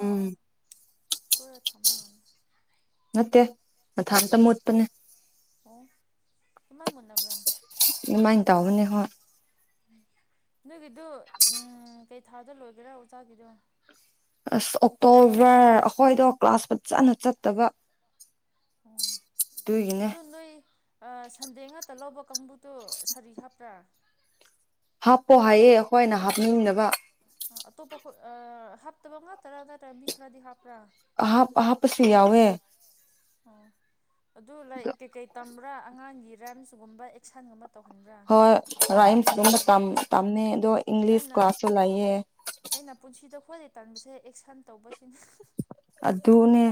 ꯎꯝ ꯁꯣꯏꯔꯥ ꯊꯝ ꯌꯥꯜꯂꯩ ꯅꯠꯇꯦ ꯃꯊꯥꯟꯇ ꯃꯨꯠꯄꯅꯦ ꯏꯃꯥꯏ ꯃꯨꯟꯅꯕ꯭ꯔꯥ ꯑꯗꯨꯃꯥꯏꯅ ꯇꯧꯕꯅꯦ ꯍꯣꯏ ꯅꯣꯏꯒꯤꯗꫭ ꯎꯝ ꯀꯩ ꯊꯥꯗ ꯂꯣꯏꯒ‌ꯦꯔꯥ ꯎꯆꯥꯕꯤꯗꯣ ꯑꯁ ꯑꯣꯛꯇꯣꯕꯔ ꯑꯩꯈꯣꯏꯗꯣ ꯀ꯭ꯂꯥꯁ ꯐꯖꯅ ꯆꯠꯇꯕ ꯑꯣ ꯑꯗꯨꯒꯤꯅꯦ ꯑꯗꯨ ꯅꯣꯏ ꯑꯥ ꯁꯟꯗꯦ ꯉꯥꯛꯇ ꯂꯧꯕ ꯀꯥꯡꯕꯨꯇꯣ ꯁꯥꯔꯤ ꯍꯥꯞꯄ꯭ꯔꯥ ꯍꯥꯞꯄꯣ ꯍꯥꯏꯌꯦ ꯑꯩꯈꯣꯏꯅ ꯍꯥꯞꯅꯤꯡꯅꯕ ꯑꯥ ꯑꯇꯣꯞꯄ ꯈꫭꯠ ꯑꯥ ꯍꯥꯞꯇꯕ ꯉꯥꯛ ꯇꯔꯥ ꯅꯠꯇꯔ ꯃꯤ ꯈꯔꯗꯤ ꯍꯥꯞꯄ꯭ꯔꯥ ꯑꯍꯥꯞ ꯑꯍꯥꯞ ꯄꯁꯨ ꯌꯥꯎꯋꯦ ꯑꯣ ꯑꯗꯨ ꯂꯩꯏ ꯀꯩꯀꯩ ꯇꯝꯕ꯭ꯔꯥ ꯑꯉꯥꯡꯒꯤꯔꯥ ꯅꯤꯁꯤꯒꯨꯝꯕ ꯑꯦꯛꯁꯟꯒꯨꯝꯕ ꯇꯧꯍꯟꯕ꯭ꯔꯥ ꯍꯣꯏ ꯔꯥꯏꯝꯁꯀꯨꯝꯕ ꯑꯦ ꯇꯝ ꯇꯝꯃ‌ꯦ ꯑꯗꯣ ꯏꯪꯂꯤꯁ ꯑꯩꯅ ꯀ꯭ꯂꯥꯁꯁꯨ ꯂꯩꯌꯦ ꯑꯩꯈꫭꯏꯗꯤ ꯇꯥꯟꯕꯁꯦ ꯑꯦꯛꯁꯟ ꯇꯧꯕꯁꯤꯅꯤ ꯑꯗꯨꯅꯦ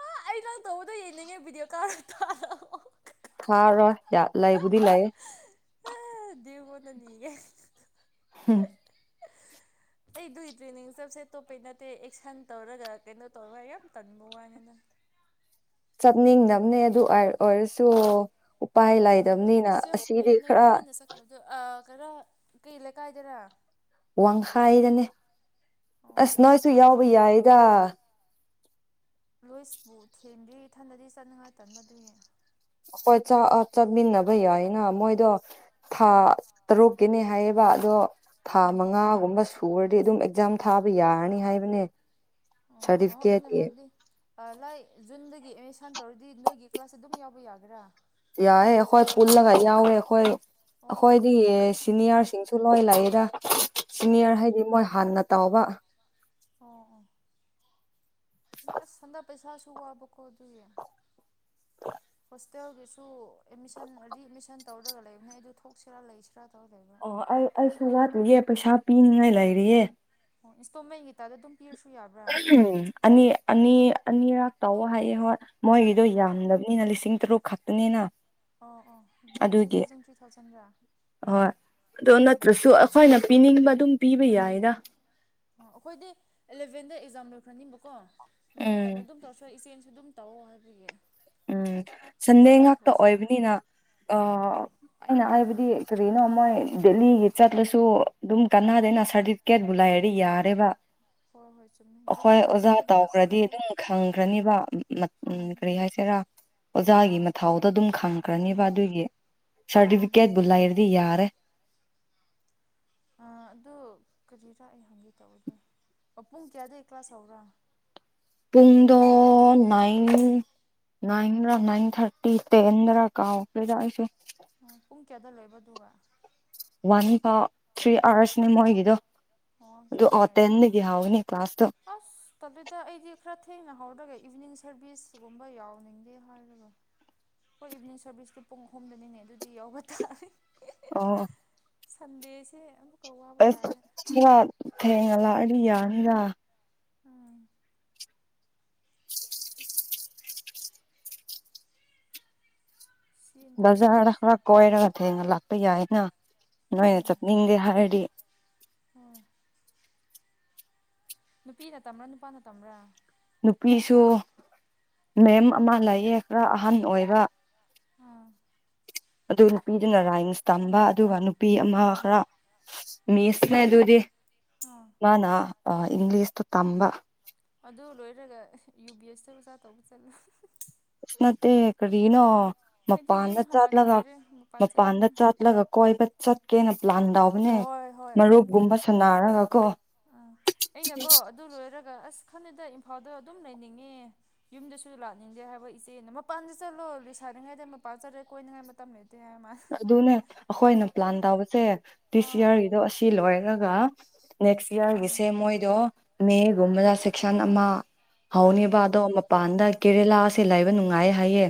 ꯑꯥ ꯑꯩ ꯅꯪ ꯇꯧꯕꯗꯣ ꯌꯦꯡꯅꯤꯡꯉꯦ ꯚꯤꯗꯤꯑꯣ ꯀꫭꯜ ꯇꯧꯔꯛꯑꫭ ꯊꯥꯔꯣꯏ ꯌꯥ ꯂꯩꯕꯨꯗꯤ ꯂꯩꯥꯌ‌ꯦ ꯑꯥ ꯗꯦꯕꯣꯅꯅꯤꯌ‌ꯦ ꯍꯝ [unintelligible] ꯑꯩ ꯑꯗꯨꯏ ꯇ꯭ꯔꯦꯅꯤꯡ ꯆꯞꯁꯦ ꯑꯇꯣꯞꯄꯩ ꯅꯠꯇꯦ ꯑꯦꯛꯁꯟ ꯇꯧꯔꯒ ꯀꯩꯅꯣ ꯇꯧꯔ ꯌꯥꯝ ꯇꯧꯅꯤꯡꯕ ꯋꯥꯅꯤꯗ [unintelligible] ꯆꯠꯅꯤꯡ ꯗꯞꯅ‌ꯦ ꯑꯗꯨ ꯑꯣꯏ ꯑꫭꯏꯔꯁꯨ ꯎꯝ ꯑꯁ ꯌꯥꯝ ꯐꯩꯌꯦ ꯅꯣꯏꯗꯤ ꯍꯥꯟꯅ ꯆꯠꯈ꯭ꯔꯕꯗꯣ ꯑꯥ ꯈꯔꯥ ꯀꯩ ꯂꯩꯀꯥꯏꯗꯔ ꯋꯥꯡꯈꯥꯏꯗꯅꯦ ꯑꯣ ꯑꯁ ꯅꯣꯏꯁꯨ ꯄꯪꯈꯩ ꯌꯥꯎꯕ ꯁꯨꯝ ꯌꯥꯏꯗ ꯂꯣꯏꯁꯄꯨ ꯊꯦꯡꯗꯤ ꯏꯊꯟꯗꯗꯤ ꯆꯠꯅꯤꯡ ꯉꯥꯏꯇꯟꯕ ꯑꯗꯨꯏꯅꯦ ꯍꯣꯏ ꯆꯥ ꯑꯥ ꯆꯠꯃꯤꯟꯅꯕ ꯌꯥꯏꯅ ꯃꯣꯏꯗꯣ ꯊꯥ ꯇꯔꯨꯛꯀꯤꯅꯦ ꯍꯥꯏꯌꯦ ꯍꫭꯏꯕ ꯑꯗꯣ ꯊꯥ ꯎꯝ ꯃꯉꯥꯒꯨꯝꯕ ꯁꯨꯔꯗꯤ ꯑꯗꯨꯝ ꯑꯦꯛꯖꯥꯝ ꯊꯥꯕ ꯌꯥꯔꯅꯤ ꯍꯥꯏꯕꯅꯦ ꯁꯔꯗꯤꯐꯤꯒ‌ꯦꯠꯇꯤ ꯑꯥ ꯂꯥꯏ ꯖꯨꯟꯗꯒꯤ ꯑꯦꯠꯃꯤꯁꯟ ꯇꯧꯔꯗꯤ ꯅꯣꯏꯒꯤ ꯀ꯭ꯂꯥꯁ ꯑꯗꯨꯝ ꯌꯥꯎꯕ ꯌꯥꯒꯔꯥ ꯌꯥꯏ ꯑꯩꯈꯣꯏ ꯄꯨꯜꯂꯒ ꯌꯥꯎꯋꯦ ꯑꯩꯈꯣꯏ ꯑꯣ ꯑꯩꯈꯣꯏꯗꯤ ꯁꯤꯅꯤꯌꯥꯔꯁꯤꯡ ꯁꯨ ꯂꯣꯏ ꯂꯥꯛꯏꯦꯗ ꯑꯣ ꯁꯤꯅꯤꯌꯔ ꯑꯣ ꯍꯥꯏꯗꯤ ꯃꯣꯏ ꯍꯥꯟꯅ ꯇꯥꯎꯕ ꯑꯣ ꯑꯣ ꯑꯁ ꯍꯟꯗꯛ ꯄꯩꯁꯥ ꯁꯨꯕ ꯋꯥꯕꫭ ꯀꫭꯗꯤ [unintelligible] ꯍꯨꯌ‍ꯦꯞꯒꯤꯁꯨ ꯑꯦꯗꯃꯤꯁꯟ ꯔꯤ ꯑꯦꯠꯃꯤꯁꯟ ꯇꯧꯔ ꯂꯩꯕꯅ‌ꯦ ꯑꯩꯗꯨ ꯊꯣꯛꯁꯤꯔꯥ ꯂꯩꯁꯤꯔꯥ ꯇꯧꯔ ꯂꯩꯕ ꯑꯣ ꯑꯩ ꯑꯩꯁꯨ ꯋꯥꯠꯂꯤꯌꯦ ꯄꯩꯁꯥ ꯄꯤꯅꯤꯡꯉꯥꯏ ꯂꯩꯔꯤꯌꯦ ꯑꯣ ꯏꯟꯇꫭꯃꯦꯜꯒꯤ ꯇꯥꯏꯗꯥ ꯑꯗꯨꯝ ꯄꯤꯔꯁꯨ ꯌꯥꯕ꯭ꯔꯥ ꯑꯍꯥꯝ ꯑꯅꯤ ꯑꯅꯤ ꯑꯅꯤꯔꯛ ꯇꯧꯋꫭ ꯍꯥꯏꯌꯦ ꯍꯣꯏ ꯃꯣꯏꯒꯤꯗꯣ ꯑꯣ ꯌꯥꯝꯗꯕꯅꯤꯅ ꯂꯤꯁꯤꯡ ꯇꯔꯨꯛ ꯈꯛꯇꯅꯤꯅ ꯑꯣ ꯑꯣ ꯗꯗꯤ ꯊ꯭ꯔꯤ ꯊꯥꯎꯖꯟ ꯊ꯭ꯔꯤ ꯊꯥꯎꯖꯟꯒ ꯑꯣꯏ ꯑꯗꯨꯣ ꯅꯠꯇ꯭ꯔꯁꯨ ꯑꯩꯈꯣꯏꯅ ꯄꯤꯅꯤꯡꯕ ꯑꯗꯨꯝ ꯄꯤꯕ ꯌꯥꯏꯔ ꯑꯩꯈꯣꯏꯗꯤ ꯑꯦꯂꯚꯦꯟꯗ ꯑꯦꯛꯖꯥꯝ ꯂꯣꯏꯈ꯭ꯔꯅꯤꯕꯀꯣ ꯑꯗꯨꯝ ꯇ ꯎꯝ ꯑꯗꯨꯝ ꯇꯧꯔ ꯏꯆꯦ ꯁꯤ ꯑꯗꯨꯝ ꯇꯧꯑꯣ ꯍꯥꯏꯕꯤꯒꯦ ꯎꯝ ꯁꯟꯗꯦ ꯉꯥꯛꯇ ꯈꯪꯗꯦ ꯑꯣꯏꯕꯅꯤꯅ ꯑ ꯍꯣꯏ ꯑꯩꯅ ꯍꯥꯏꯕꯗꯤ ꯔꯤꯅꯣ ꯃꯣꯏ ꯗꯦꯂꯤꯒꯤ ꯆꯠ ꯂꯣꯏꯁꯁꯨ ꯑꯗꯨꯝ ꯎꯝ ꯀꯥꯟꯅꯥꯗꯅꯥ ꯁꯔꯇꯤꯐꯦꯠ ꯨꯂꯥꯏꯦ ꯌꯥꯔꯦ ꯋꯥ ꯍ ꯍꯣꯏ ꯆꯨꯝꯃꯦ ꯑꯩꯈꯣꯏ ꯗꯦꯜꯂꯤꯒꯤ ꯑꯣꯖꯥ ꯆꯠꯄꯗꯤ ꯑꯁ ꯇꯥꯎꯈ꯭ꯔꯗꯤ ꯇꯜꯂꯦ ꯑꯗꯨꯝ ꯈꯪꯈ꯭ꯔꯅꯤꯕ ꯎꯝ ꯀꯔꯤ ꯍꯥꯏꯁ ꯑꯣꯖꯥꯒꯤ ꯃꯊꯊꯧ ꯑꯗꯨꯝ ꯈꯪꯈ꯭ꯔꯅꯦꯕ ꯎꯝ ꯑꯗꯨꯒꯤ ꯁꯥꯔꯇꯤꯐꯤꯀꯦꯠꯄꯨ ꯂꯩꯔꯗꯤ ꯌꯥꯔꯦ ꯑ ꯑꯗꯨ ꯀꯔꯤꯔꯥ ꯑꯩ ꯍꯪꯒꯦ ꯇꯧꯗꯦ ꯄ ꯄꯨꯡ ꯀꯌꯥꯗꯒꯤꯩ ꯀ꯭ꯂꯥꯁ ꯍꯧꯔ ꯄꯨꯡꯗ ꯅꯥꯏꯟ ꯟ ꯔꯟ ꯊꯥꯔꯇꯤ ꯇꯦꯟ ꯔ ꯀꯥꯎꯗꯁꯦ ꯀꯦꯗ ꯂꯩꯕꯗꯨꯒ ꯅꯤ ꯐ ꯊ꯭ꯔꯤ ꯑꯥꯋꯥꯔꯁꯅꯦ ꯃꯣꯏꯒꯤꯗꯣ ꯍ ꯑꯗꯨ ꯑꯗꯨꯗꯤ ꯑꯣ ꯌꯥ ꯇꯦꯟꯗꯒꯤ ꯍꯧꯒꯅꯤ ꯀ꯭ꯂꯥꯁꯇꯣ ꯑꯁ ꯇꯂꯦꯗ ꯑꯩꯗꯤ ꯈꯔ ꯊꯦꯡꯅ ꯍꯧꯔꯒꯩ ꯏꯚꯤꯅꯤꯡ ꯁꯔꯚꯤꯁꯒꯨꯝꯕ ꯌꯥꯎꯅꯤꯡꯗꯦ ꯍꯥꯏꯔꯒ ꯍꯣꯏ ꯏꯚꯅꯤꯡ ꯁꯔꯚꯤꯁꯁꯀꯤ ꯄꯨꯡ ꯑꯍꯨꯝꯗꯅꯤꯅꯦ ꯑꯗꯨꯗꯤ ꯌꯥꯎꯕ ꯇꯥ ꯑ ꯁꯗꯦꯁꯦ ꯑꯁ ꯊꯦꯡꯉ ꯑ ꯌꯥꯅꯤꯗ ꯎꯝ ꯁꯦꯟ ꯕꯖꯔ ꯇꯥꯗ꯭ꯔꯗꯤ ꯈꯔ ꯀꯣꯏꯔ ꯊꯦꯡꯅ ꯂꯥꯛꯄ ꯌꯥꯏꯅ ꯅꯣꯏ ꯆꯞꯅꯤꯦ ꯍꯔꯗꯤ ꯑꯣ ꯅꯨꯄꯤꯅ ꯇꯝꯕ꯭ꯔꯥ ꯅꯨꯄꯥꯅ ꯇꯝꯕ꯭ꯔꯥ ꯅꯨꯄꯤꯁꯨ ꯃꯦꯝ ꯑꯃ ꯂꯥꯏꯌꯦ ꯈꯔ ꯑꯍꯟ ꯑꯣꯏꯔ ꯑ ꯑꯗꯨ ꯅꯨꯄꯤꯗꯨꯅ ꯔꯥꯏꯟꯁ ꯇꯝꯕ ꯑꯗꯨꯒ ꯅꯨꯄꯤ ꯑꯃ ꯑꯣ ꯈꯔ ꯃꯦꯁꯅ ꯑꯗꯨꯗꯤ ꯑꯥ ꯃꯥꯅꯥ ꯑ ꯏꯪꯂꯤꯁ ꯇꯨ ꯇꯝꯕ ꯑꯗꯨ ꯂꯣꯏꯔꯒ ꯌꯨ ꯕꯤ ꯑꯦꯁꯇ ꯑꯣꯖꯥ ꯇꯧꯕ ꯆꯠꯂꯨ ꯃ ꯑꯩꯗꯤ ꯌꯨꯝ ꯄꯥꯅ ꯆꯥꯠꯂꯒꯥꯛ ꯍꯜꯂꯛꯅꯤꯡꯗ꯭ꯔꯦ ꯃꯄꯥꯟ ꯃꯄꯥꯟꯗ ꯆꯠꯅꯤꯡꯉꯦ ꯆꯠꯂꯒ ꯀꯣꯏꯕ ꯆꯠꯀꯦꯅ ꯄ꯭ꯂꯥꯟꯗꯥꯎꯕꯅꯦ ꯍꯣꯏ ꯃꯔꯨꯞꯕꯒꯨꯝꯕ ꯁꯅ ꯑꯔꯒꯒ ꯑꯥ ꯑꯩꯅꯀꯣ ꯑꯗꯨ ꯂꯣꯏꯔꯒ ꯑꯁ ꯈꯟꯅꯗ ꯏꯝꯐꯥꯜꯗ ꯑꯗꯨꯝ ꯂꯩꯅꯤꯡꯉꯦ ꯌꯨꯝꯗꯁꯨ ꯂꯥꯛꯅꯤꯡꯗꯦ ꯍꯥꯏꯕ ꯏꯆꯦꯅ ꯃꯄꯥꯟꯗ ꯆꯠꯂꯣ ꯂꯤꯁꯔꯤꯉꯩꯗ ꯃꯄꯥꯟ ꯆꯠꯂ ꯀꯣꯏꯅꯅꯨꯡ ꯃꯝꯃꯦ ꯑꯗꯨꯅꯦ ꯑꯩꯈꯣꯏꯅ ꯄ꯭ꯂꯥꯟ ꯇꯧꯕꯁꯦ ꯗꯤꯁ ꯍꯣꯏ ꯌꯌꯥꯔꯒꯤꯗꯣ ꯑꯁꯤ ꯂꯣꯏꯔꯒ ꯅꯦꯛꯁ ꯏꯌꯥꯔꯒꯤꯁꯦ ꯎꯝ ꯃꯣꯏꯗꯣ ꯃꯦꯒꯨꯝꯕꯗ ꯁꯦꯛꯁꯟ ꯑꯃ ꯎꯝ ꯍꯧꯅꯦꯕ ꯎꯝ ꯑꯗꯣ ꯃꯄꯥꯟꯗ ꯑꯣ ꯀꯦꯔꯦꯂꯥꯁꯦ ꯂꯥꯏꯕ ꯅꯨꯡꯉꯥꯏ ꯍꯥꯏꯌꯦ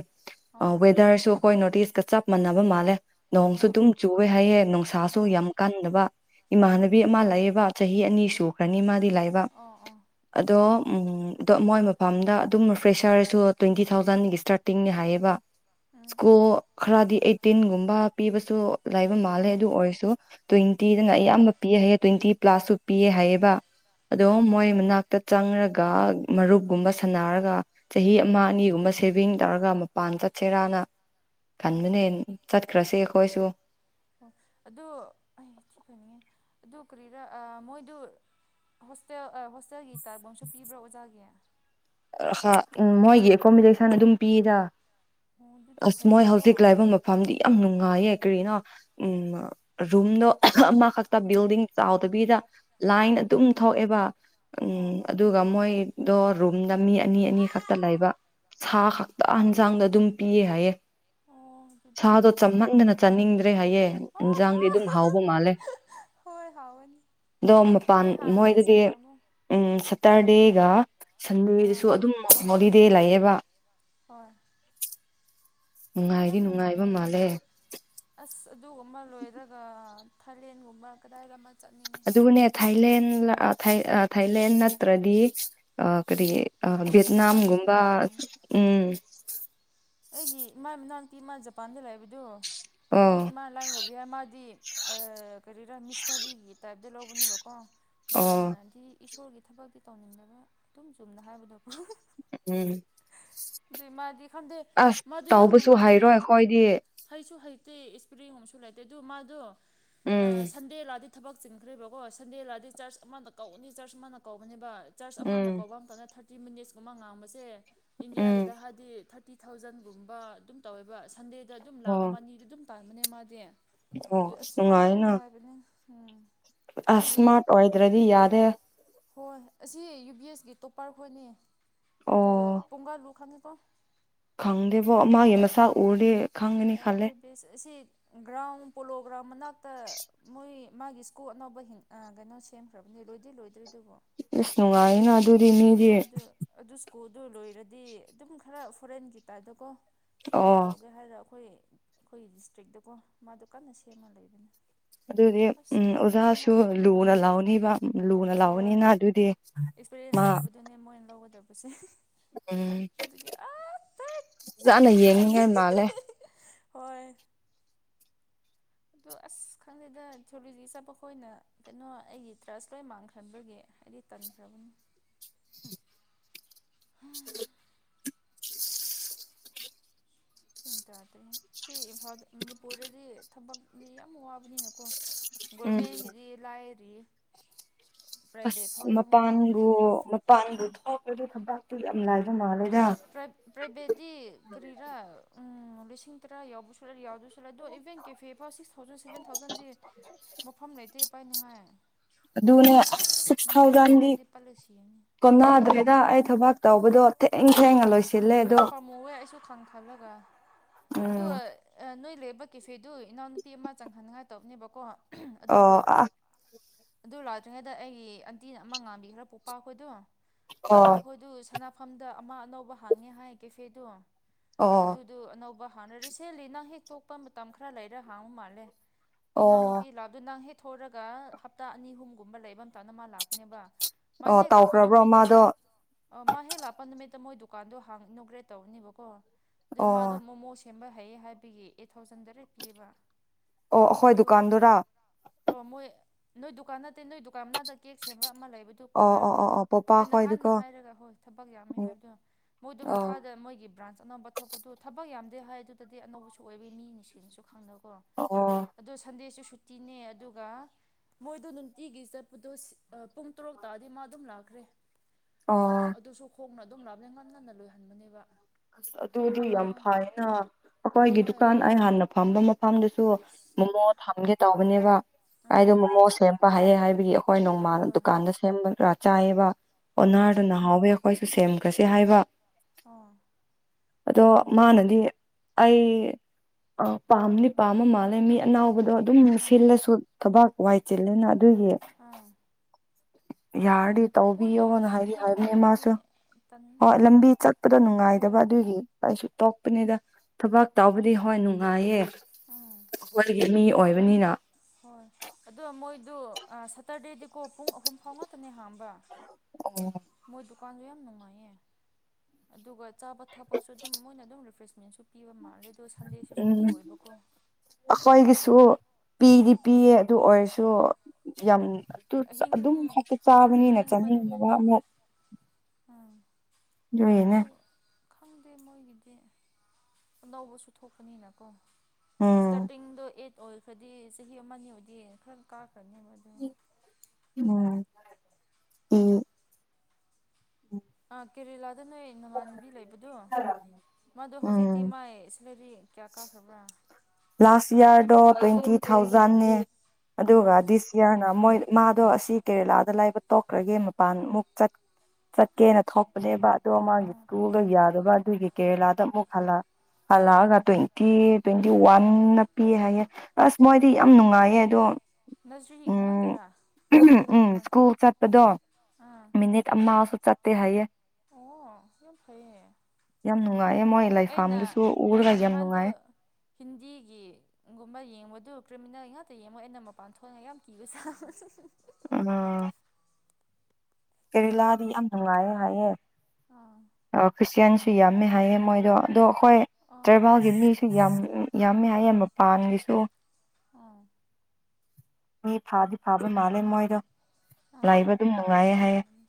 ꯑꯥ ꯋꯦꯗꯔꯁꯨ ꯑꯩꯈꯣꯏ ꯅꯣꯔꯠ ꯏꯁꯀ ꯆꯞ ꯃꯥꯟꯅꯕ ꯃꯥꯜꯂꯦ ꯅꯣꯡꯁꯨ ꯑꯗꯨꯝ ꯑꯥ ꯆꯨꯋꯦ ꯍꯥꯏꯌꯦꯦ ꯅꯨꯡꯁꯥꯁꯨ ꯑꯥ ꯌꯥꯝ ꯀꯟꯅꯗꯕ ꯎꯝ ꯏꯃꯥꯟꯅꯕꯤ ꯑꯃ ꯂꯩꯌꯦꯕ ꯆꯍꯤ ꯑꯅꯤ ꯁꯨꯈ꯭ꯔꯅꯤ ꯃꯥꯗꯤ ꯂꯥꯏꯕ ꯑꯣ ꯑꯣ ꯑꯗꯣ ꯎꯝ ꯑꯗꯣ ꯃꯣꯏ ꯃꯐꯝꯗ ꯑꯗꯨꯝ ꯐ꯭ꯔꯦꯁꯔꯁꯨ ꯇ꯭ꯋꯦꯟꯇꯤ ꯊꯥꯎꯖꯟꯒꯤ ꯏꯁ꯭ꯇꯥꯔꯇꯤꯡꯅꯦ ꯍꯥꯏꯌꯦꯕ ꯎꯝ ꯁꯀꯣ ꯎꯝ ꯈꯔꯗꯤ ꯑꯩꯠꯇꯤꯟꯒꯨꯝꯕ ꯄꯤꯕꯁꯨ ꯂꯩꯥꯏꯕ ꯃꯥꯜꯂꯦ ꯑꯣ ꯑꯗꯨ ꯑꯣ ꯑꯣꯏꯔꯁꯨ ꯇ꯭ꯋꯦꯟꯇꯤꯗꯅ ꯑꯌꯥꯝꯕ ꯄꯤꯌꯦꯦ ꯍꯥꯏꯌꯦ ꯇ꯭ꯋꯦꯟꯇꯤ ꯄ꯭ꯂꯁꯁꯨ ꯄꯤꯑꯦ ꯍꯥꯏꯌꯦꯕ ꯎꯝ ꯑꯗꯣ ꯎꯝ ꯃꯣꯏ ꯃꯅꯥꯛꯇ ꯆꯪꯔꯒ ꯃꯔꯨꯞꯒꯨꯝꯕ ꯁꯥꯟꯅꯔꯒ ꯆꯍꯤ ꯎꯝ ꯑꯃ ꯎꯝ ꯑꯅꯤꯒꯨꯝꯕ ꯁꯦꯚꯤꯡ ꯇꯧꯔꯒ ꯃꯄꯥꯟ ꯆꯠꯁꯤꯦꯔꯥꯅ ꯎꯝ ꯎꯝ ꯈꯟꯕꯅꯦ ꯈ꯭ꯔꯁꯤꯈꯣꯏꯁꯨ ꯑꯣ ꯑꯗꯨ ꯑꯩ ꯊꯤꯄꯅꯤꯉꯦ ꯑꯗꯨ ꯀꯔꯤꯔꯥ ꯃꯣꯏꯗꯨ ꯍꯣꯁꯇꯦꯜ ꯍꯣꯁꯇꯦꯜꯒꯤ ꯇꯥꯕꯣꯟꯁꯨ ꯄꯤꯕ꯭ꯔꯥ ꯑꯣꯖꯥꯒꯤ ꯎꯝ ꯃꯣꯏꯒꯤ ꯑꯀꯣꯝꯕꯤꯗ ꯏꯁꯥꯅ ꯑꯗꯨꯝ ꯄꯤꯗ ꯑꯗꯨꯗꯤ ꯑꯁ ꯃꯣꯏ ꯐꯩꯅꯀꯣ ꯍꯧꯖꯤꯛ ꯂꯥꯏꯕ ꯃꯐꯝꯗꯤ ꯌꯥꯝ ꯅꯨꯡꯉꯥꯏꯌꯦ ꯀꯔꯤꯅꯣ ꯎ ꯔꯨꯝꯗꯣ ꯑꯃꯈꯛꯇ ꯎꯝ ꯕꯤꯜꯗꯤꯡ ꯆꯥꯎꯗꯕꯤꯗ ꯂꯥꯏꯟ ꯑꯗꯨꯝ ꯎꯝ ꯊꯣꯛꯑꯦꯕ ꯑꯣ ꯎꯝ ꯍꯣꯏ ꯍꯣꯏ ꯑꯗꯨꯒ ꯃꯣꯏꯗꯣ ꯔꯨꯝꯗ ꯃꯤ ꯑꯅꯤ ꯑꯅꯤ ꯈꯛꯇ ꯂꯩꯕ ꯁꯥ ꯎꯝ ꯈꯛꯇ ꯍꯟꯁꯥꯡꯗ ꯑꯗꯨꯝ ꯄꯤꯌꯦ ꯍꯥꯏꯌꯦꯦ ꯑꯣ ꯑꯗꯨꯗꯤ ꯁꯥꯗꯣ ꯅꯨꯡꯉꯥꯏꯒꯅꯤ ꯆꯝꯍꯟꯗꯅ ꯆꯥꯅꯤꯡꯗ꯭ꯔꯦ ꯍꯥꯏꯌꯦꯦ ꯑꯣ ꯏꯟꯁꯥꯡꯗꯤ ꯑꯗꯨꯝ ꯍꯥꯎꯕ ꯃꯥꯜꯂꯦ ꯍꯣꯏ ꯍꯥꯎꯒꯅꯤ ꯑꯗꯣ ꯃꯄꯥꯟ ꯅꯣꯏ ꯍꯥꯟꯅ ꯃꯣꯏꯗꯒꯤ ꯆꯪꯂꯝꯃꯣ ꯎꯝ ꯁꯠꯇꯔ ꯗꯦꯒ ꯁꯟꯗꯦꯗꯁꯨ ꯑꯥ ꯑꯗꯨꯝ ꯍꯣꯂꯤꯗꯦ ꯂꯩꯑꯦꯕ ꯍ ꯅꯨꯡꯉꯥꯏꯗꯤ ꯅꯨꯡꯉꯥꯏꯕ ꯃꯥꯜꯂꯦ ꯑꯁ ꯑꯗꯨꯒꯨꯝꯕ ꯂꯣꯏꯔꯒ ꯊꯥꯂꯦꯟꯒꯨꯝꯕ ꯀꯗꯥꯏꯗ ꯆꯠꯅꯤꯡꯉꯤ ꯑꯗꯨꯕꯨꯅꯦ ꯊꯥꯏꯂꯦꯟ ꯊꯥꯏꯂꯦꯟ ꯅꯠꯇ꯭ꯔꯗꯤ ꯑꯥ ꯀꯔꯤ ꯎꯝ ꯖꯄꯥꯟꯁꯨ ꯕ‌ꯦꯠꯅꯥꯝꯒꯨꯝꯕꯥ ꯌꯥꯕꯅꯤ ꯎꯝ ꯑꯩꯒꯤ ꯏꯃꯥ ꯃꯅꯥꯛꯇ ꯏꯃꯥ ꯖꯄꯥꯟꯗ ꯂꯥꯛꯏꯕꯗꯣ ꯑꯗꯨ ꯑꯣ ꯏꯃꯥ ꯂꯥꯏꯅ ꯂꯧꯕꯤ ꯌꯥꯏ ꯃꯥꯗꯤ ꯑꯥ ꯀꯔꯤꯔꯥ ꯃꯤꯁꯅꯔꯤꯒꯤ ꯇꯥꯏꯞꯇ ꯂꯧꯕꯅꯦꯕꯀꯣ ꯀꯣ ꯑꯗꯨꯗ ꯑꯣ ꯑꯩꯅꯗꯤ ꯏꯁꯣꯔꯒꯤ ꯊꯕꯛꯇꯤ ꯇꯧꯅꯤꯡꯗꯒ ꯑꯗꯨꯨꯝ ꯆꯨꯝꯅ ꯍꯥꯏꯕꯗꯣ ꯎꯝ ꯑꯗꯨꯗꯤ ꯃꯥꯗꯤ ꯈꯪꯗꯦ ꯑꯁ ꯃꯥꯗꯨ ꯌꯥꯝ ꯇꯥꯎꯕꯁꯨ ꯅꯨꯡꯉꯥꯏꯌꯦ ꯍꯩꯔꯣꯏ ꯑꯩꯈꯣꯏꯗꯤ ꯍꯩꯁꯨ ꯍꯩ ꯇ‌ꯦ ꯏꯁꯄꯔꯤ [unintelligible] ꯂꯩꯇꯦ ꯑꯗꯨ ꯃꯥꯗꯣ ꯎꯝ ꯁꯟꯗꯦ ꯊꯕꯛ ꯆꯤꯡꯈ꯭ꯔꯤꯕꯀꯣ ꯁꯟꯗꯦ ꯂꯥꯛꯑꯗꯤ ꯆꯔꯆ ꯑꯃꯅ ꯀꯧꯕꯅꯤ ꯆꯔꯆ ꯑꯃꯅ ꯀꯧꯕꯅꯤꯕ ꯆꯔꯆ ꯑꯃꯅ ꯎꯝ ꯀꯧꯕ ꯑꯃꯝꯇꯅ ꯊꯥꯔꯇꯤ ꯃꯤꯅꯤꯠꯁꯀꯨꯝꯕ ꯉꯥꯡꯕꯁꯦ ꯎꯝ ꯏꯟꯗꯤꯌꯥꯒꯤꯗ ꯍꯥꯏꯔꯗꯤ ꯊꯥꯔꯇꯤ ꯊꯥꯎꯖꯟꯒꯨꯝꯕ ꯑꯗꯨꯝ ꯇꯧꯋꯦꯕ ꯁꯟꯗꯦꯗ ꯑꯗꯨꯝ ꯂꯥꯛ ꯑꯣ ꯑꯃ ꯑꯅꯤꯗ ꯑꯗꯨꯝ ꯇꯥꯟꯕꯅꯦ ꯃꯥꯗꯤ ꯑꯣ ꯑꯗꯨ ꯑꯁ ꯃꯥꯗꯤ ꯌꯥꯝ ꯁꯅꯨꯡꯉꯥꯏꯅ ꯅꯨꯡꯉꯥꯏꯕꯅꯦ ꯎꯝ ꯑꯁ ꯑꯗꯨꯒꯤ ꯏꯤꯁꯃꯥꯔꯠ ꯑꯣꯏꯏꯗ꯭ꯔꯗꯤ ꯌꯥꯗꯦ ꯍꯣꯏ ꯑꯁꯤ ꯌꯨ ꯕꯤ ꯑꯦꯁꯀꯤ ꯇꯣꯞꯄꯔ ꯈꯣꯏꯅꯤ ꯑꯣ ꯑꯗꯨꯒ ꯄꯣꯡꯒꯥꯜꯕꯨ ꯈꯪꯉ ꯄ [unintelligible] ꯈꯪꯗꯦꯕꯣ ꯃꯥꯒꯤ ꯃꯁꯥꯛ ꯎꯔꯗꯤ ꯈꯪꯒꯅꯤ ꯈꯜꯂꯦ ꯒ꯭ꯔꯥꯎ ꯄꯂꯣꯒ꯭ꯔꯥ ꯃꯅꯛ [unintelligible] ꯃꯥꯒꯤ ꯏꯁꯀꯨꯜ ꯑꯅꯧꯕ ꯀꯩꯅꯣ ꯁꯦꯝꯈ꯭ꯔꯕꯅꯦ ꯂꯣꯏꯗꯤ ꯂꯣꯏꯗ꯭ꯔꯤꯗꯨꯕꯣ ꯏꯁꯁ ꯅꯨꯡꯉꯥꯏꯅ ꯑꯗꯨ ꯃꯥꯗꯨ ꯑꯗꯨ ꯁ꯭ꯀꯨꯜꯗꯨ ꯂꯣꯏꯔꯗꯤ ꯑꯗꯨꯝ ꯈꯔ ꯐꯣꯔꯦꯟꯒꯤ ꯇꯥꯏꯕꯇꯀꯣ ꯏꯁ꯭ꯀꯨꯜ ꯑꯣ ꯇꯧꯒꯦ ꯍꯥꯏꯔ ꯑꯩꯈꯣꯏ ꯑꯩꯈꯣꯏꯒꯤ ꯗꯤꯁꯇ꯭ꯔꯤꯛꯇꯀꯣ ꯃꯥꯗꯣ ꯀꯟꯅ ꯁꯦꯝꯃ ꯂꯩꯕꯅꯤ ꯑꯗꯨꯗꯤ ꯎꯝ ꯑꯣꯖꯥꯁꯨ ꯂꯨꯅ ꯅꯨꯡꯉꯥꯏꯌꯦ ꯂꯥꯎꯅꯤꯕ ꯂꯨꯅ ꯍꯣꯏ ꯂꯥꯎꯕꯅꯤꯅ ꯑꯗꯨꯗꯤ ꯑꯦꯛꯁꯄꯤꯔꯤꯌꯦꯟꯁ ꯃꯥ ꯂꯩꯕꯗꯨꯅꯦ ꯃꯣꯏꯅ ꯂꯧꯒꯗꯕꯁꯦ ꯎꯝ ꯑꯗꯨꯒꯤ ꯑꯥ ꯇꯠ ꯆꯥꯅ ꯆꯠꯅꯤꯡꯉꯦ ꯑꯩ ꯌꯦꯡꯅꯤꯡꯉꯥꯏ ꯃꯥꯜꯂꯦ ꯑꯗꯨ ꯑꯁ ꯈꯪꯗꯦꯗ ꯊꯣꯂꯣꯖꯤ ꯆꯠꯄꯈꯣꯏ ꯑꯣꯏꯅ ꯀꯩꯅꯣ ꯑꯩꯒꯤ ꯇ꯭ꯔꯁ ꯂꯣꯏ ꯃꯥꯡꯈꯟꯕꯒꯤ ꯍꯥꯏꯗꯤ ꯇꯥꯟꯈ꯭ꯔꯥꯕꯅꯤ ꯏꯟꯇꯔꯥꯗꯦ ꯁꯤ ꯏꯝꯐꯥꯜꯗ ꯃꯅꯤꯄꯨꯔꯗꯗꯤ ꯊꯕꯛꯗꯤ ꯌꯥꯝ ꯋꯥꯕꯅꯤꯅꯀꯣ ꯎꯝ ꯒꯣꯔꯃꯦꯟꯒꯤꯗꯤ ꯂꯥꯏꯔꯤꯌ‌ꯦ ꯑꯁ ꯃꯄꯥꯟꯕꯨ ꯃꯄꯥꯟꯕꯨ ꯊꯣꯛꯄꯗꯨ ꯊꯕꯇꯨ ꯌꯥꯝ ꯂꯩꯕ ꯃꯥꯜꯂꯦ ꯄ꯭ꯔꯥꯏꯕꯦꯠꯗꯤ ꯀꯔꯤꯔꯥ ꯎꯝ ꯂꯤꯁꯤꯡ ꯇꯔꯥ ꯌꯧꯕ ꯁꯨ ꯁꯂ [unintelligible] ꯌꯥꯎꯗꯣꯏ ꯁꯜꯂꯦ ꯑꯗꯣ ꯏꯚꯦꯟ ꯀꯦꯐꯦ ꯐ ꯁꯤꯛꯁ ꯊꯥꯎꯖꯟ ꯁꯚꯦꯟ ꯊꯥꯎꯖꯟꯗꯤ ꯃꯐꯝ ꯂꯩꯇꯦ ꯄꯥꯏꯅꯦꯉꯥꯏ ꯑꯗꯨꯅꯦ ꯁꯤꯛꯁ ꯊꯥꯎꯖꯟꯗꯤ ꯂꯩꯔꯗꯤ ꯄꯥꯏ ꯂꯩ ꯁꯤꯔꯅꯤ ꯀꯝꯅꯗ꯭ꯔꯦꯗ ꯑꯩ ꯊꯕꯛ ꯇꯧꯕꯗꯣ ꯊ‌ꯦꯡ ꯌꯥꯝ ꯄꯥꯝꯃꯧꯑꯦ ꯑꯩꯁꯨ ꯈꯟ ꯈꯜꯂꯒ ꯎꯝ ꯑꯗꯨꯒ ꯅꯣꯏ ꯏꯕ ꯀꯦꯐꯦꯗꯨ ꯏꯅꯥꯎ ꯅꯨꯄꯤ ꯑꯃ ꯆꯪꯍꯟꯉꯥꯏ ꯇꯧꯅꯦꯕꯀꯣ ꯑꯣ ꯑꯥ ꯑꯗꯨ ꯂꯥꯛꯇ꯭ꯔꯤꯉꯩꯗ ꯑꯩꯒꯤ ꯑꯟꯇꯤꯅ ꯑꯃ ꯉꯥꯡꯝꯕꯤꯈ꯭ꯔ ꯄꯣꯛꯄꯈꯣꯏꯗꯨ ꯄꯣꯄꯥ ꯑꯣ ꯑꯩꯈꯣꯏꯗꯨ ꯁꯅꯐꯝꯗ ꯑꯃ ꯑꯅꯧꯕ ꯍꯥꯡꯉꯦ ꯍꯥꯏ ꯀꯦꯐꯦꯗꯣ ꯑꯣ ꯑꯗꯨꯗꯣ ꯑꯅꯧꯕ ꯍꯥꯡꯅ ꯔꯤꯁꯦꯟꯂꯤ ꯅꯪ ꯍꯦꯛ ꯇꯣꯛꯄ ꯃꯇꯝ ꯈꯔ ꯂꯩꯔ ꯍꯥꯡꯉꯨ ꯃꯥꯜꯂꯦ ꯑꯣ ꯏꯅꯥꯎꯅꯨꯄꯤ ꯂꯥꯗꯨꯅꯡꯍꯤ ꯊꯣꯔꯒ ꯍꯞꯇꯥ ꯑꯅꯤ ꯑꯍꯨꯝꯒꯨꯝꯕ ꯂꯩꯕ ꯑꯃꯝꯇꯅ ꯃꯥ ꯂꯥꯛꯄꯅꯦꯕ ꯃ ꯑꯣ ꯍꯦꯛ ꯂꯥꯄ ꯇꯧꯈ꯭ꯔꯕ꯭ꯔꯣ ꯅꯨꯃꯤ ꯃꯥꯗꯣ ꯃ ꯍꯦꯛ ꯂꯥꯄ ꯅꯨꯃꯤꯠ ꯇꯤ ꯃꯣꯏꯗ ꯗꯨꯀꯗꫭ ꯍꯥꯡ ꯏꯤꯅꫭꯒꯔꯠ ꯇꯧꯅꯦꯕꯀꯣ ꯑꯗꯨ ꯑꯣ ꯃꯥꯗꫭ ꯃꫭꯃꫭ ꯁ‌ꯦꯝ ꯁꯦꯝꯕ ꯍꯩꯌꯦ ꯍꯥꯏꯕꯒꯤ ꯑꯦꯠ ꯊꯥꯎꯖꯟ ꯗꯔꯦꯠ ꯄꯤꯑꯕ ꯑꯣ ꯑꯩꯈꯣꯏ ꯗꯨꯀꯥꯟꯗꯨꯔꯥ ꯑꯣ ꯃꯣꯏ ꯅꯣꯏ ꯗꯨꯀꯥꯟ ꯅꯠꯇꯦ ꯅꯣꯏ ꯗꯨꯀꯥꯟ ꯃꯅꯥꯗ ꯀꯦꯛ ꯁꯦꯝꯕ ꯑꯃ ꯂꯩꯕ ꯍꯥꯏꯕꯗꯨ ꯀꯣꯟ ꯑꯣ ꯑꯣ ꯑꯣ ꯑꯣ ꯄꯣꯄꯥ ꯑ ꯅꯍꯥꯟꯅ ꯈꯣꯏꯗꯨꯀꯣ ꯍꯥꯏꯔꯒ ꯍꯣꯏ ꯊꯕꯛ ꯌꯥꯝꯃꯤ ꯎꯝ ꯍꯥꯏꯕꯗꯣ ꯃꯣꯏꯗꯨ ꯑꯣ ꯃꯈꯥꯗ ꯃꯣꯏꯒꯤ ꯕ꯭ꯔꯥꯟꯁ ꯑꯅꯧꯕ ꯊꯣꯛꯄꯗꯨ ꯊꯕꯛ ꯌꯥꯝ ꯍꯥꯏ ꯑꯗꯨꯗꯗꯤ ꯑꯅꯧꯕ ꯑꯣꯏ ꯃꯤ ꯈꯪꯗꯣ ꯑꯣ ꯑꯗ ꯁꯨꯇꯤꯅꯦ ꯑꯗꯨꯒ ꯃꯣꯏꯗꯣ ꯅꯨꯡꯇꯤꯒꯤ ꯆꯠꯄꯗꯣ ꯄꯨꯡ ꯇꯔꯨꯛ ꯇꯥꯔꯗꯤ ꯃꯥ ꯑꯗꯨꯝ ꯂꯥꯛꯈ꯭ꯔꯦ ꯑꯣ ꯑꯗꯨꯁꯨ ꯈꯣꯡꯅ ꯑꯗꯨꯝ ꯂꯥꯞꯅ ꯉꯅꯟꯅ ꯂꯣꯏꯍꯟꯕꯅꯦꯕ ꯑꯁ ꯄꯨꯡ ꯑꯗꯨꯗꯤ ꯃꯉꯥ ꯌꯥꯝ ꯐꯥꯏꯅ ꯑꯩꯈꯣꯏꯒꯤ ꯍꯣꯏ ꯗꯨꯀꯥꯟ ꯑꯩ ꯍꯥꯟꯅ ꯐꯝꯕ ꯃꯐꯝꯗꯨꯁꯨ ꯑꯁ ꯃꯣꯃꯣ ꯇꯜꯂꯦ ꯊꯝꯒꯦ ꯇꯧꯕꯅꯦꯕ ꯎꯝ ꯀꯥꯏꯗꯣ ꯃꯣꯃꯣ ꯁꯦꯝꯕ ꯍꯥꯏꯑꯦ ꯍꯥꯏꯕꯒꯤ ꯑꯩꯈꯣꯏ ꯑꯩꯈꯣꯏ ꯅꯣꯡꯃꯥꯜ ꯍꯣꯏ ꯗꯨꯀꯥꯟꯗ ꯁꯦꯝꯕꯗ ꯆꯥꯏꯑꯕ ꯑꯥ ꯑꯥ ꯑꯣꯅꯔꯗꯨ ꯅꯍꯥꯎꯋ ꯑꯩꯣꯏꯁꯨ ꯁꯦꯝꯈ꯭ꯔꯁꯤ ꯍꯥꯏꯕ ꯑꯥ ꯑꯗꯣ ꯃꯣ ꯃꯥꯅꯗꯤ ꯑꯩ ꯄꯥꯝꯅꯤ ꯄꯥꯝꯝꯕ ꯃꯥꯜꯂꯦ ꯃꯤ ꯑꯅꯥꯎꯕꯗꯣ ꯑꯗꯨꯝ ꯑꯥ ꯁꯤꯜꯂꯁꯨ ꯊꯕꯥꯛ ꯋꯥꯏ ꯆꯜꯂꯅ ꯑꯗꯨꯒꯤ ꯑꯥ ꯌꯥꯔ ꯃꯣꯏꯗꯣ ꯇꯧꯕꯤꯌꯣꯅ ꯑꯁ ꯍꯥꯏꯗꯤ ꯍꯥꯏꯕꯅꯦ ꯃꯥꯁꯨ ꯊꯦꯡꯃꯟꯕꯒꯤ ꯇꯟꯂꯦ ꯍꯣꯏ ꯂꯝꯕꯤ ꯆꯠꯄꯗ ꯅꯨꯡꯉꯥꯏ ꯍꯣꯏ ꯀꯁꯨ ꯇꯣꯛꯄꯅꯤꯗ ꯊꯕꯛ ꯇꯧꯕꯕꯗꯤ ꯍꯣꯏ ꯅꯨꯡꯉꯥꯏꯌꯦ ꯎꯝ ꯑꯩꯈꯣꯏꯒꯤ ꯃꯤ ꯑꯣꯏꯕꯅꯤꯅ ꯍꯣꯏ ꯃꯣꯏꯗꯣ ꯑꯗꯣ ꯁꯇꯔꯗꯦꯗꯤꯀꯣ ꯄꯨꯡ ꯑꯍꯨꯝ ꯐꯥꯎ ꯉꯥꯛꯇꯅꯦ ꯍꯥꯡꯕ꯭ꯔꯥ ꯑꯣ ꯗꯨꯀꯥꯟꯁꯨ ꯌꯥꯝ ꯅꯨꯡꯉꯥꯏꯌꯦ ꯑꯗꯨꯒ ꯆꯥꯕ ꯊꯛꯄꯁꯨ ꯑꯗꯨꯝ ꯃꯣꯏꯅ ꯑꯗꯨꯝ ꯔꯤꯐ꯭ꯔꯦꯁ ꯦꯟꯁꯨ ꯄꯤꯕ ꯃꯥꯜꯂꯦ ꯑꯗꯨꯒ ꯁꯟꯗꯦꯁꯨ ꯁꯨꯇꯤ ꯎꯝ ꯑꯣꯏꯕ ꯑꯩꯈꯣꯏꯒꯤꯁꯨ ꯄꯤꯗꯤ ꯄꯤꯌꯦ ꯑꯗꯨ ꯑꯣꯏꯔꯁꯨ ꯑꯥ ꯌꯥꯝ ꯑꯍꯤꯡ ꯑꯗꯨꯝ ꯍꯛꯇ ꯑꯍꯤꯡ ꯆꯥꯕꯅꯤꯅ ꯆꯥꯅꯤꯡꯕ ꯊꯦꯡꯕꯗꯨꯅꯅꯦ ꯑꯃꯨꯛ ꯑꯥ ꯏꯅꯦ ꯑꯗꯨ ꯈꯪꯗꯦ ꯃꯣꯏꯒꯤꯗꯤ ꯑꯅꯥꯕꯁꯨ ꯊꯣꯛꯄꯅꯤꯅꯀꯣ ꯎꯝ ꯏꯁꯇꯥꯔꯇꯤꯡꯗꯣ ꯑꯩꯠ ꯑꯣꯏꯔꯈꯗꯤ ꯆꯍꯤ ꯑꯃꯅꯤ ꯑꯣꯏꯗꯤ ꯈꯔ ꯀꯥ ꯎꯝ ꯍ ꯑ ꯀꯦꯔꯦꯂꯥꯗ ꯅꯣꯏ ꯅꯃꯥꯟꯅꯕꯤ ꯂꯩꯕꯗꯣ ꯃꯗꯣ ꯍꯧꯖꯤꯛꯇꯤ ꯎꯝ ꯃꯥꯏ ꯂꯗꯤ ꯀꯌꯥ ꯀꯌꯥꯈꯕ꯭ꯔꯥ ꯂꯥꯁ ꯏꯔꯗꯣ ꯇ꯭ꯋꯦꯟꯇꯤ ꯊꯥꯎꯖꯟꯦ ꯑꯗꯨꯒ ꯑꯥ ꯗꯤꯁ ꯌꯌꯥꯔꯅ ꯃꯣꯏ ꯃꯥꯗꯣ ꯑꯁꯤ ꯀꯦꯔꯦꯂꯥꯗ ꯂꯥꯏꯕ ꯇꯣꯛꯈ꯭ꯔꯒꯦ ꯃꯄꯥꯟꯃꯨꯛ ꯆꯠ ꯆꯠꯀꯦꯅ ꯊꯣꯛꯄꯅꯦꯕ ꯑꯗꯣ ꯃꯥꯒꯤ ꯑꯥ ꯇꯨꯒ ꯌꯥꯗꯕ ꯑꯗꯨꯒꯤ ꯀꯦꯔꯦꯂꯥꯗ ꯑꯃꯨꯛ ꯍꯜꯂ ꯍꯜꯂꯛꯑꯒ ꯇ꯭ꯋꯦꯟꯇꯤ ꯇ꯭ꯋꯦꯟꯇꯤ ꯋꯥꯟꯅ ꯄꯤ ꯍꯥꯏꯌꯦꯦ ꯑꯁ ꯃꯣꯏꯗꯤ ꯑꯣ ꯌꯥꯝ ꯅꯨꯡꯉꯥꯏꯌꯦ ꯑꯗꯣ ꯅꯖꯔꯤ ꯎꯝ ꯉꯥꯛꯇꯔꯥ ꯃꯥ ꯎꯝ ꯂꯧꯕꯗꯣ ꯁ꯭ꯀꯨꯜ ꯆꯠꯄꯗꯣ ꯑꯥ ꯃꯤꯅꯤꯠ ꯑꯃꯁꯁꯨ ꯆꯠ ꯍꯥꯏꯌꯦꯦ ꯑꯣ ꯌꯥꯝ ꯐꯩꯌꯦ ꯌꯥꯝ ꯅꯨꯡꯉꯥꯏꯌꯦꯦ ꯃꯣꯏ ꯑꯩꯅ ꯂꯥꯏꯐꯝꯥꯝꯗꯨꯁꯨ ꯎꯔꯒ ꯑꯩꯅ ꯌꯥꯝ ꯅꯍꯥꯟꯗꯣ ꯅꯨꯡꯉꯥꯏ ꯑꯃ ꯌꯦꯡꯕꯗꯨ ꯀ꯭ꯔꯤꯃꯤꯅꯦꯜ ꯉꯥꯛꯇ ꯌꯦꯡꯉꯣ ꯑꯩꯅ ꯃꯄꯥꯟ ꯊꯣꯛꯉꯒ ꯌꯥꯝ ꯀꯤꯕ ꯆꯥꯕ ꯑ ꯀꯦꯔꯦꯂꯥꯗꯤ ꯌꯥꯝ ꯅꯨꯡꯉꯥꯏꯌꯦ ꯍꯥꯏꯌꯦꯦ ꯑꯥ ꯈ꯭ꯔꯤꯁꯇꯌꯥꯟ ꯁꯨ ꯌꯥꯝꯃꯦ ꯍꯥꯏꯌꯦ ꯃꯣꯏꯗꯣ ꯑꯗꯣ ꯑꯩꯈꯣꯏ ꯑꯥ ꯑꯥ ꯇ꯭ꯔꯦꯚꯦꯜꯒꯤ ꯃꯤꯁꯨ ꯌꯥꯝ ꯌꯥꯝꯃꯦꯏꯌꯦ ꯃꯄꯥꯟꯒꯤꯁꯨ ꯑ ꯃꯤ ꯐꯥꯗꯤ ꯐꯥꯕ ꯅ ꯂꯩꯦꯟ ꯃꯣꯏꯔꯣ ꯑꯥ ꯂꯥꯛꯕ ꯑꯗꯨꯝ ꯍꯣꯏ ꯅꯨꯡꯉꯥꯏꯌꯦ ꯍꯥꯏꯌꯦ ꯐꯔꯝꯃꯅꯤ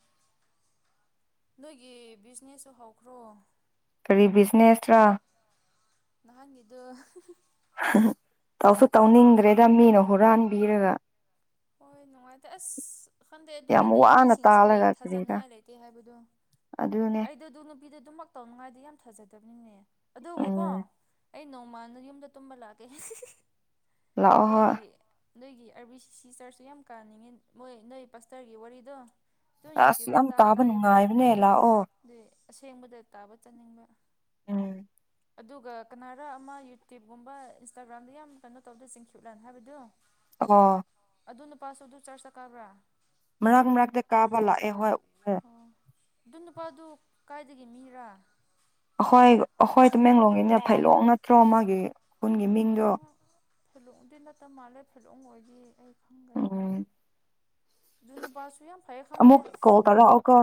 ꯒꯤ ꯕꯤꯖꯤꯅꯦꯁꯁꯨ ꯍꯧꯈ꯭ꯔꯣ ꯀꯔꯤ ꯕꯤꯖꯤꯅꯦꯁ ꯔ ꯅꯍꯥꯟ ꯌꯦꯗꯣ ꯇꯧꯁꯨ ꯇꯧꯅꯤꯡꯗ꯭ꯔꯦꯗ ꯃꯤꯅ ꯍꯨꯔꯥꯟꯕꯤꯔꯒ ꯍꯣꯏ ꯅꯨꯡꯉꯥꯏꯇꯦ ꯑꯁ ꯈꯟꯗꯦ ꯌꯥꯝ ꯑꯗꯨꯒꯤꯅꯦ ꯋꯥꯅ ꯃꯤꯁꯤꯡꯁꯦ ꯇꯥꯜꯂꯒ ꯀꯔꯤꯔꯥ ꯊꯥꯖꯅꯤꯉꯥꯏ ꯂꯩꯇꯦ ꯍꯥꯏꯕꯗꯣ ꯑꯗꯨꯅꯦ ꯑꯩꯗ ꯑꯗꯨꯝ ꯅꯨꯄꯤꯗꯣ ꯑꯗꯨꯝꯃꯛ ꯇꯧꯅꯉꯥꯏꯗꯤ ꯌꯥꯝ ꯐꯖꯗꯦ ꯆꯠꯇꯕꯅꯤꯅꯦ ꯑꯗꯨꯕꯨꯀꯣ ꯎꯝ ꯑꯩ ꯅꯣꯡꯃꯜꯗ ꯌꯨꯝꯗ ꯇꯨꯝꯕ ꯂꯥꯛꯀꯦ ꯂꯥꯛꯍ ꯅꯣꯏꯒꯤ ꯅꯣꯏꯒꯤ ꯑꯥꯔꯕꯤ ꯁꯤ ꯆꯥꯔꯁꯨ ꯌꯥꯝ ꯀꯥꯅꯤꯡꯉꯤ ꯃꯣꯏ ꯅꯣꯏ ꯄꯁꯇꯔꯒꯤ ꯋꯥꯔꯤꯗꯣ ꯑꯗꯨꯝ ꯑꯁꯤ ꯌꯨꯇ꯭ꯌꯨꯕꯇ ꯑꯃꯨꯛ ꯇꯥ ꯇꯥꯕ ꯇꯥꯏꯌꯦꯕ ꯅꯨꯡꯉꯥꯏꯕꯅꯦ ꯂꯥꯛꯑꯣ ꯑꯗꯨꯏ ꯑꯁꯦꯡꯕꯗ ꯇꯥꯕ ꯆꯠꯅꯤꯡꯕ ꯎꯝ ꯑꯗꯨꯒ ꯀꯅꯥꯔꯥ ꯑꯃ ꯌꯨꯇ꯭ꯌꯨꯕꯀꯨꯝꯕ ꯏꯟꯁꯇꯥꯒ꯭ꯔꯥꯝꯗ ꯌꯥꯝ ꯀꯩꯅꯣ ꯇꯧꯗ ꯆꯤꯡꯈꯤꯕꯞꯂꯅ ꯍꯥꯏꯕꯗꯨꯣ ꯑꯣ ꯑꯗꯨ ꯅꯨꯄꯥꯁꯨ ꯑꯗꯨ ꯆꯔꯁꯇ ꯀꯥꯕ꯭ꯔꯥ ꯃꯔꯛ ꯃꯔꯛꯗ ꯀꯥꯕꯂ ꯑꯦꯍꯣꯏ ꯑꯣ ꯑꯗꯨ ꯅꯨꯄꯥꯗꯨ ꯀꯥꯏꯗꯒꯤ ꯃꯤꯔꯥ ꯑꯩꯈꯣꯏ ꯑꯩꯈꯣꯏ ꯇꯃꯦꯡꯂꯣꯡꯒꯤꯅꯦ ꯐꯩꯂꯣꯛ ꯅꯠꯇ꯭ꯔꯣ ꯃꯥꯒꯤ ꯈꯨꯟꯒꯤ ꯃꯤꯡꯗꯣ ꯑꯣ ꯐꯦꯂꯣꯡꯗꯤ ꯅꯠꯇꯕ ꯃꯥꯜꯂꯦ ꯐꯦꯂꯣꯡ ꯑꯣꯏꯗꯤ ꯑꯩ ꯈꯪꯒꯅꯤ ꯎꯝ ꯟꯅꯨ ꯄꯁꯨ ꯌꯥꯝ ꯐꯌꯦꯦ ꯈꯪꯗ ꯑꯃꯨꯛ ꯀꯣꯜ ꯇꯧꯔꯛꯑꯣꯀꯣ